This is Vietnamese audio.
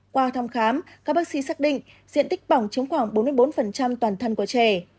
qua thăm khám các bác sĩ xác định diện tích bỏng chống khoảng bốn mươi bốn toàn thân của trẻ